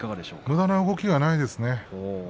むだな動きがないですね。